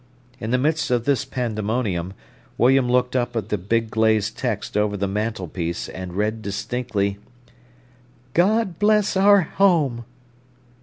In the midst of this pandemonium, William looked up at the big glazed text over the mantelpiece and read distinctly: "God Bless Our Home!"